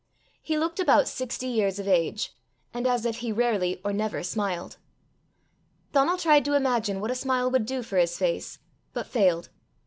He looked about sixty years of age, and as if he rarely or never smiled. Donal tried to imagine what a smile would do for his face, but failed.